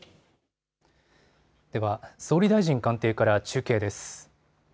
では総理大臣官邸から中継です。